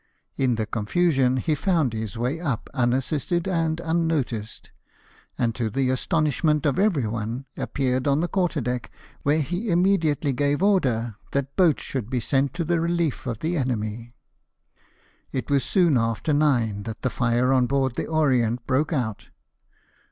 In the confusion he found his way up, unassisted and unnoticed, and, to the astonishment of every one, appeared on the quarter deck, where he immediately gave order that boats should be sent to the relief of the enemy. y^y It was soon after nine that the fire on board the Orient broke out.